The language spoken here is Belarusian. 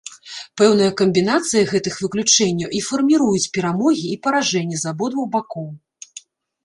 Пэўная камбінацыя гэтых выключэнняў і фарміруюць перамогі і паражэнні з абодвух бакоў.